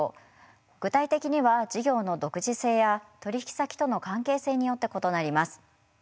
具体的には事業の独自性や取引先との関係性によって異なります。